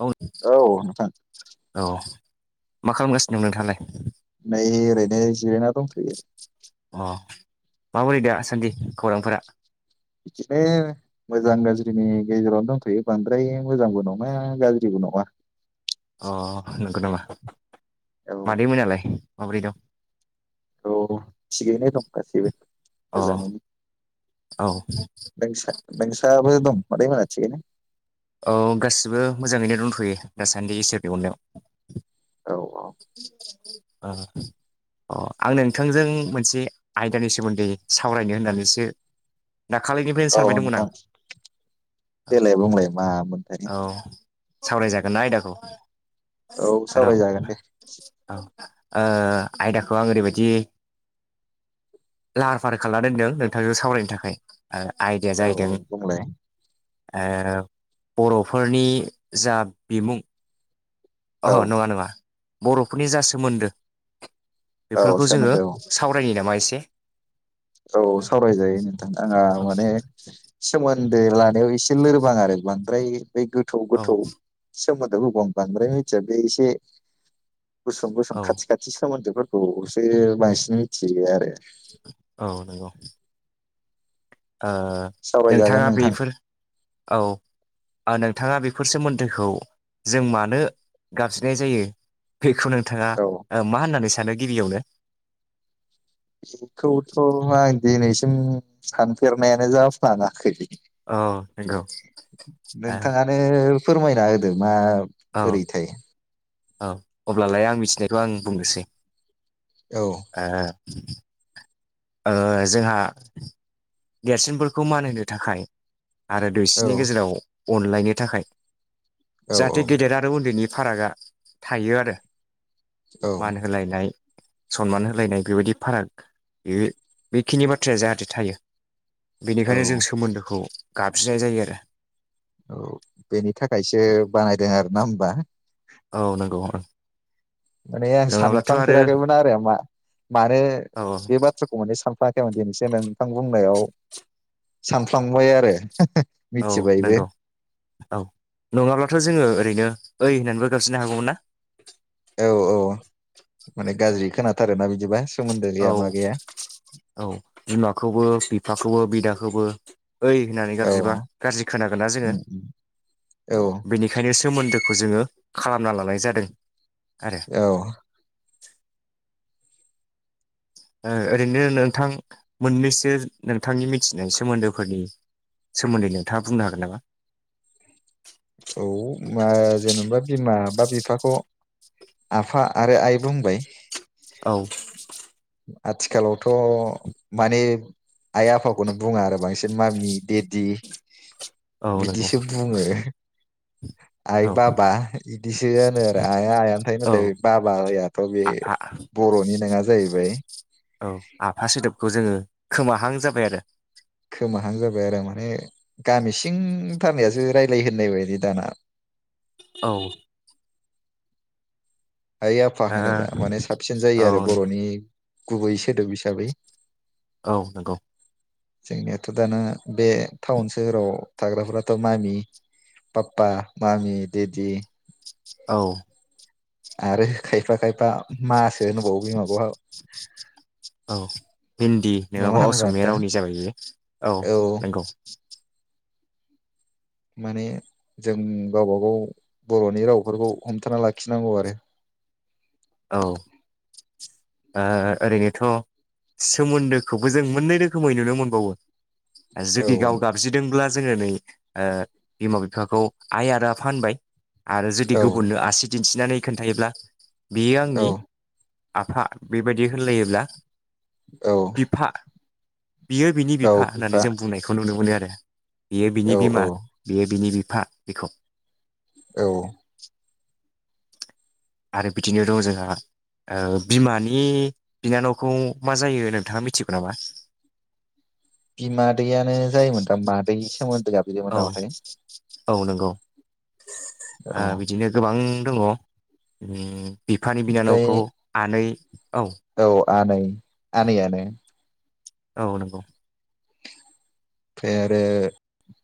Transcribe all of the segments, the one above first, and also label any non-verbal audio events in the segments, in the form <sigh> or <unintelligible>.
औ औ नोंथां। औ मा खालामगासिनो नोंथाङालाय? नै ओरैनो जिरायना दंथ'यो। माबायदि दासान्दि खौरांफोरा? बिदिनो मोजां गाज्रिनि गेजेरावनो दंथ'यो बांद्राय मोजांबो नङा गाज्रिबो नङा। अ नोंगो नामा? औ <inaudible> मादै मोनालाय? माबोरै दं? औ थिगैनो दं गासैबो। अ मोजाङैनो। औ नोंसा नोंसाबो दं? मादैमोना थिगैनो औ गासिबो मोजाङैनो दोंथ'यो दासान्दि इसोरनि अननायाव। औ औ अ अ आं नोंथांजों मोनसे आयदानि सोमोन्दै सावरायनो होननानैसो दाखालिनिफ्रायनो औ सानबाय दंमोन आं नोंथां । औ देलाय बुंलाय मामोनथाय औ सावरायजा गोनना आयदाखौ औ र' सावरायजागोन दे। औ ओ आयदाखौ आं ओरैबायदि लाहार फाहार खालामना दोनदों नोंथांजों सावरायनो थाखाय। आयदाया औ औ जाहैदों बुंलाय ओ बर'फोरनि जा बिमुं अहो औ नङा नङा। बर'फोरनि जा सोमोन्दो औ बेफोरखौ जोङो सोमोन्दो औ सावरायनि नामा एसे औ सावरायजायो नोंथां आंहा औ माने सोम सोमोन्दो लानायाव एसे लोरबां आरो बांद्राय बै गोथौ औ गोथौ <unintelligible> गुसुं गुसुं औ खाथि खाथि सोमोन्दोफोर औसो बांसिन मिथियो आरो । औ नंगौ। सावरायजागोन नोंथाङा नोंथां बेफोर औ नोंथाङा बे बेफोर सोमोन्दोखौ जों मानो गाबज्रिनाय जायो। बेखौ नोंथाङा औ मा होननानै सानोगिबियावनो बेखौथ' आं दि नैसि ज सानफेरनायानो जाफ्लाङाखै औ नंगौ आ नोंथाङानो फोरमायना होदो मा बोरै थाय औ अब्लालाय आं मिथिनायखौ आं बुंनोसै औ आ जोंहा देरसिनफोरखौ मान होनो थाखाय आरो औ दुइसिनि गेजेराव अनलायनो थाखाय औ जाहाथे गेदेर आरो उन्दैनिफ्राय फारागा थायो आरो औ । मान होलायनाय सनमान होलायनाय बेबायदि फाराग बे बेखिनि बाथ्राया जाहाथे थायो। औ बेनिखायनो जों सोमोन्दोखौ गाबज्रिनाय जायो आरो। औ बेनि थाखायसो औ बाहायदों आरो ना होमबा औ नोंगौ। माने आं सानफ्लांफेराखैमोन आरो मा मानो औ बे बाथ्राखौ माने सानफ्लाङाखैमोन दिनैसो नोंथां बुंनायाव सानफ्लांबाय आरो । औ नंगौ औ नङाब्लाथ' जोङो ओरैनो ओइ होननानैबो गाबज्रिनो हागौमोनना? औ औ माने गाज्रि खोनाथारो ना बिदिबा । औ औ बिमाखौबो बिफा खौबो बिदाखोबो ओइ होननानै औ गाब्रिबा गाज्रि खोनागोनना जोङो उम उम औ बेनिखायनो सोमोन्दो खौ जोङो खालामना लानाय जादों आरो औ । ओ ओरैनो नोंथां मोननैसो नोंथांनि मिथिनाय सोमोन्दोफोरनि सोमोन्दै नोंथाङा बुंनो हागोन नामा? औ मा जेनेबा बिमा बा बिफाखौ आफा आरो आइ बुंबाय औ आथिखालावथ' माने आइ आफाखौनो बुङा आरो बांसिन मामि देदि औ नंगौ बिदिसो बुङो । आइ औ बाबा इदिसो होनो आरो आइआ आइयानो थायो औ नाथाय बाबायाथ' बे आफा बर'नि नङा जाय औ आफा सोदोबखौ जोङो खोमाहां जाबाय आरो खोमाहां जाबाय आरो माने गामि सिं थानायारनायासो रायलायो होननाय बायदि दाना । औ । आइ आफा ओ होनोबा माने साबसिन औ जायो आरो बर'नि गुबै सोदोब हिसाबै । औ नंगौ जोंनियाथ' दाना बे टाउन सोहोराव थाग्राफोराथ' मामि पाप्पा मामि देदि औ । आरो खायफा खाय औ हिन्न्दी नङा नङाबा होनबा असमिया नोंथां रावनि जाबाय बेयो औ नंगौ। <inaudible> माने जों गावबागाव बरनि रावफोरखौ हमथाना लाखिनांगौ आरो। औ ओ ओरैनोथ' सोमोन्दोखौबो जों मोननै रोखोमै नुनो मोनबावो। जुदि औ गाव गाबज्रिदोंब्ला जोङो नै ओ बिमा बिफाखौ आइ आरो आफा होनबाय आरो जुदि औ गुबुननो आसि दिनथि नानै खोन्थायोब्ला । बियो औ आंनि आफा बेबायदि होनलायोब्ला औ । बिफा बियो बिनि बिफा होननानै जों बुंनायखौ नुनो मोनो दे। बियो औ बिनि औ बिमा बियो बिनि बिफ। फा बेखौ। औ। आरो। बिदिनो दं जोंहा बिमानि बिनानावखौ मा जायो नोंथाङा मिथिगौ नामा? बिमादैआानो जायोमोन दा मादै। मोन्दो गाबज्रियोमोन औ नामाथाय । औ नंगौ। औ ओ बिदिनो गोबां। दङ उम्म। बिफानि बिनानावखौ ओमफ्राय आनै। औ आ नै आ नैआनो। औ नंगौ। फाय आरो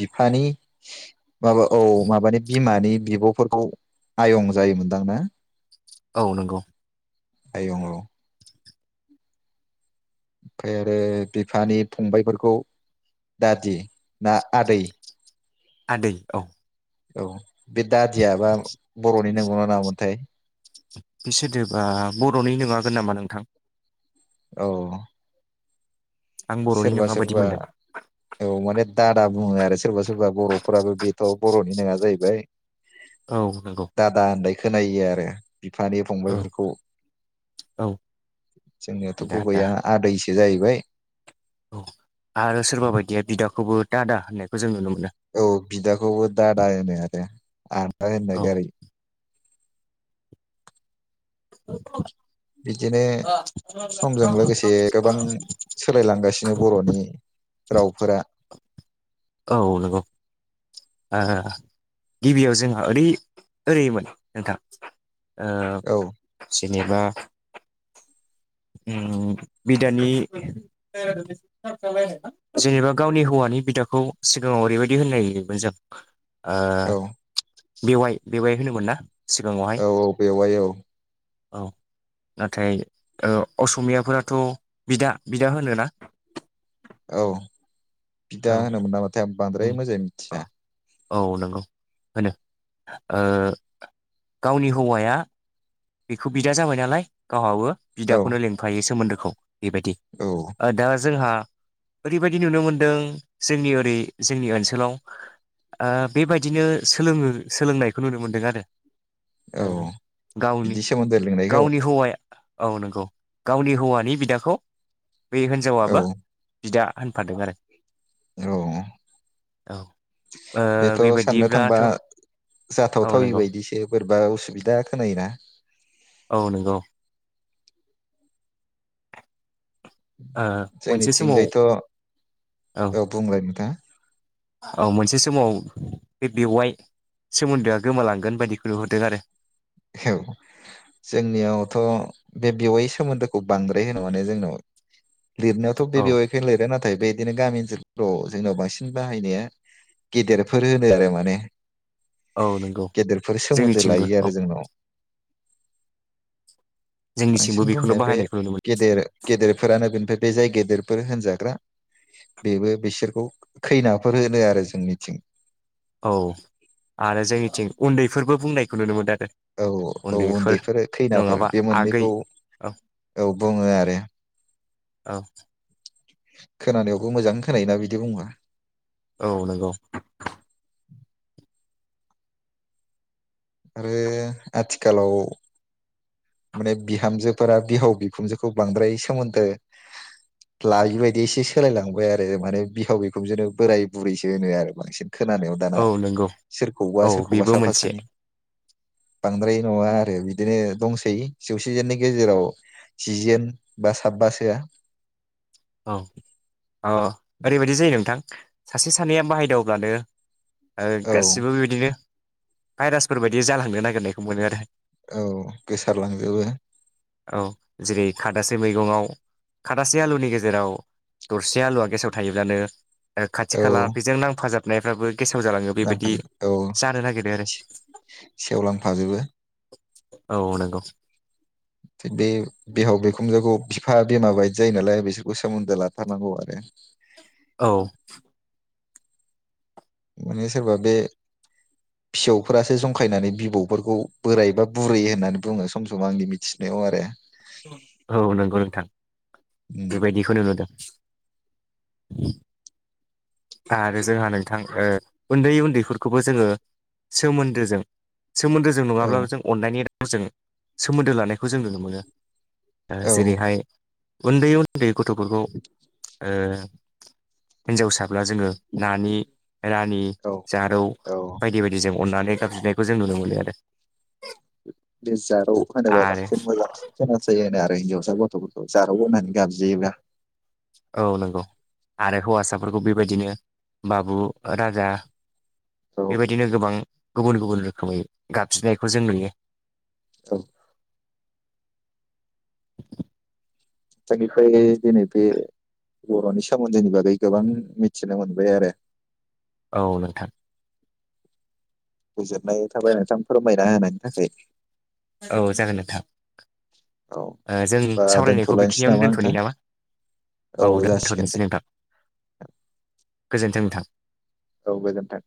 बिफानि। माबा औ माबानि बिमानि। बिबफोरखौ आयं जायोमोनदां ना? औ नंगौ। आयं औ। ओमफाय आरो बिफानि फंबायफोरखौ दादि ना आदै। आदै औ। औ। बे दादियाबा बरनि। नंगौना नङा मोनोनथाय? बि सोदोबा बर'नि नङा। हागोन नामा नोंथां? औ। आं बर'नि सोरबा नङा बायदि सोरबा मोनदों औ माने दा दा बुङो आरो सोरबा सोरबा बर'फोराबो बेथ' बर'नि नेङा जाहैबाय औ नंगौ दादा होननाय खोनायो आरो बिफानि औ फंबायफोरखौ औ जोंनियाथ' दा दा गुबैया आदैसो। बि जाहैबाय औ आरो सोरबा बायदिया बिदाखौबो दादा होननायखौ जों नुनो मोनो। औ बिदाखौबो दादा होनो आरो, आदा औ होननो गारै <unintelligible> बिदिनो औ समजों लोगोसे गोबां सोलायलांगासिनो बर'नि रावफोरा। औ नंगौ। ओ गिबियाव जोंहा ओरै ओरै मोन नोंथां। ओ औ जेनेबा उम बिदानि जेनेबा गावनि हौवानि बिदाखौ सिगांङाव ओरै बायदि होननाय नुयोमोन जों आह औ बेवाइ बेवाइ होनोमोन ना? सिगाङावहाय औ औ बेवाय औ औ नाथाय औ असमियाफोराथ' बिदा बिदा होनो ना? औ बिदा होनोमोन नामाथाय आम बांद्राय उम मोजां मिथिया औ नंगौ होनो ओ गावनि हौवाया बेखौ बिदा जाबाय नालाय गावहाबो औ बिदाखौनो लिंफायो सोमोन्दो खौ बेबायदि औ ओ दा जोंहा ओरै बायदि नुनो मोनदों जोंनि ओरै जोंनि ओनसोलाव ओ बेबायदिनो सोलोंङो सोलोंनायखौ नुनो मोनदों आरो। औ ओ गावनि बिदि सोमोन्दो लिंनायखौ गावनि हौवाया औ नंगौ गावनि हौवानि बिदाखौ बे औ हिनजावाबो बिदा होनफादों आरो। औ औ ओ बेथ' साननो थांबा बेबायदिब्लाथ' औ जाथावथावै नंगौ बायदिसो बो बा असुबिदा खोनायोना औ नंगौ। ओ मोनसे समाव जोंनिथिंजायथ' औ बुंलाय नोंथांआ औ मोनसे समाव बे बेवाइ सोमोन्दोआ गोमालांगोन बायदिखौ नुहरदों आरो। औ जोंनियावथ' बे बेवाइ सोमोन्दोखौ बांद्राय होनो माने जोंनाव। लिरनायावाथ' बे औ बेवायखौनो लिरो नाथाय बेबायदिनो गामि ओनसोल फ्रौ जोंनाव बांसिन बाहायनाया गेदेरफोर होनो आरो माने औ नंगौ गेदेरफोर सोमोन्दो जोंनिथिंबो लायो औ आरो जोंनाव जोंनिथिंबो बांसिन बेखौनो बुंनाया बे बाहायनायखौ नुनो गेदेर गेदेरफोरानो बेनिफाय बे जाय गेदेरफोर होनजाग्रा बेबो बिसोरखौ खैनाफोर होनो आरो जोंनिथिं। औ आरो जोंनिथिं उन्दैफोरबो बुंनायखौ नुनो मोनदों। आरो औ औ उन्दैफोर खैनाफोर नङाबा बे आगै मोननैखौ औ औ बुङो आरो। औ खोनानायावबो मोजां खोनायो ना बिदि बुंबा। औ नंगौ आरो आथिखालाव माने बिहामजोफोरा बिहाव बिखुनजोखौ बांद्राय सोमोन्दो लायि बायदि एसे सोलायलांबाय आरो माने बिहाव बिखुनजोनो बोराय बुरैसो होनो आरो बांसिन। खोनानायाव दाना औ नंगौ सोरखौबा औ सोरखौबा बेबो साफा मोनसे सानै बांद्राय नङा आरो बिदिनो दंसै। बिसोर जौसेजोननि गेजेराव जि जोन बा साबासोआ औ औ ओरैबायदि जायो नोंथां सासे सानैया बाहायदावब्लानो आरो औ गासिबो बिदिनो भाइरासफोर बायदि जालांनो नागिरनायखौ मोनो आरो। औ गोसारलांजोबो औ जेरै खादासे मैगंआव खादासे आलुनि गेजेराव जेराव दरसे आलुवा गेसाव थायोब्लानो खाथि औ खाला बेजों नांफाजाब नायफ्राबो नांफाजोबो औ नागिरो सेवलांफाजोबो। औ नंगौ। बे बिहाव बिखुनजोखौ बिफा बिमा बायदि जायो नालाय बिसोरखौ सोमोन्दो लाथारनांगौ आरो। औ माने सोरबा बे फिसौफोरासो जंखायनानै बिबौफोरखौ बोरायबा बुरै होननानै बुङो सम सम आंनि मिथिनायाव आरो। औ नंगौ नोंथां उम बेबायदिखौनो नुदों। आरो जोंहा नोंथां ओ उन्दै उन्दैफोरखौबो जोङो सोमोन्दोजों सोमोन्दो जों औ नङाब्ला जों अननायनि रा सोमोन्दो लानायखौ जों नुनो मोनो। औ जेरैहाय। उन्दै उ उन्दै गथ'फोरखौ हिनजावसा अब्ला जोङो नानि रानि औ जारौ औ बायदि बायदि जों अननानै गाबज्रिनायखौ जों नुनो मोनो आरो। बि जारौ होनोबा आरो बांसि मोजां खोनायो आरो। आरो हिनजावसा गथ'फोरखौ जारौ होनानै गाबज्रियोब्ला। औ नंगौ आरो हौवासाफोरखौ बेबायदिनो बाबु राजा औ बेबायदिनो गोबां गुबुन गुबुन रोखोमै गाबज्रिनायखौ जों नुयो। एनिफाय दिनै बे बर'नि सोमोन्दोनि बागै गोबां मिथिनो मोनबाय आरो। औ नोंथां। गोजोननाय थाबाय नोंथां फोरमायना होनायनि थाखाय। औ जागोन नोंथां <inaudible> ओ जों बा सावरायनायखौ दोनथ'लायनोसै बेखिनियावनो दोन्थ'नि नोंथां नामा औ जासिगोन दे दोन्थ'नोसै नोंथां गोजोन्थों नोंथां। औ गोजोन्थों।